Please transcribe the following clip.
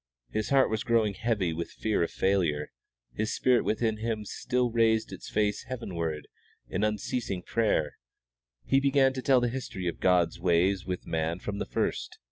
His heart was growing heavy with fear of failure, his spirit within him still raised its face heavenward in unceasing prayer. He began to tell the history of God's ways with man from the first.